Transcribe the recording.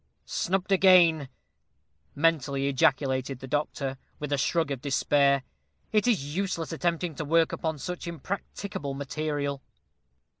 "Snubbed again!" mentally ejaculated the doctor, with a shrug of despair. "It is useless attempting to work upon such impracticable material."